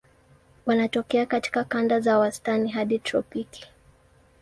Wanatokea katika kanda za wastani hadi tropiki.